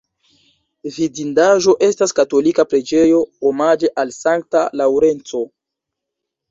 Vidindaĵo estas katolika preĝejo omaĝe al Sankta Laŭrenco.